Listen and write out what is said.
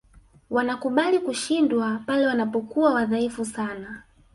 wanakubali kushindwa pale wanapokuwa wadhaifu sana